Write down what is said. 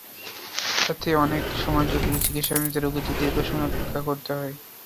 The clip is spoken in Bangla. এতে অনেক সময় জরুরি চিকিৎসাসেবা নিতে রোগীদের দীর্ঘ সময় অপেক্ষা করতে হয়।